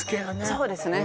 そうですね